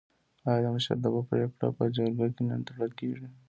آیا د مشرتابه پګړۍ په جرګه کې نه تړل کیږي؟